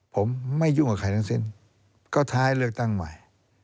ผมไม่ยุ่งกับใครทั้งสิ้นก็ท้ายเลือกตั้งใหม่